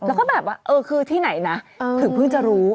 แล้วก็แบบว่าเออคือที่ไหนนะถึงเพิ่งจะรู้